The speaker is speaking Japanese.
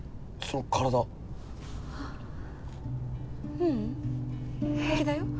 ううん平気だよ。